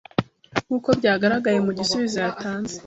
Nkuko byagaragaye mu gisubizo yatanze